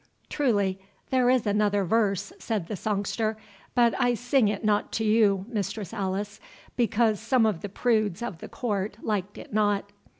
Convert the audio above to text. "Truly, there is another verse," said the songster; "but I sing it not to you, Mistress Alice, because some of the prudes of the court liked it not."